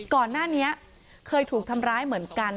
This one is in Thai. ก่อนหน้านี้เคยถูกทำร้ายเหมือนกัน